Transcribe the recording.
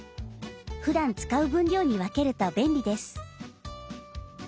ふだん使う分量に分けると便利です。